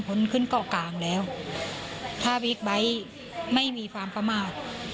คนขึ้นเกาะกลางแล้วถ้าพีคไบท์ไม่มีฟาร์มฟ้ามาร์ด